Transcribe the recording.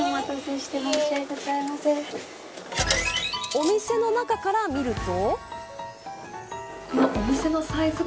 お店の中から見ると。